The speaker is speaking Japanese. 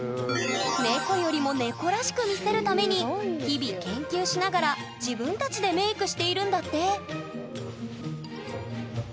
「猫よりも猫らしく」見せるために日々研究しながら自分たちでメークしているんだって！